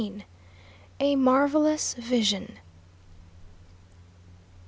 A MARVELLOUS VISION.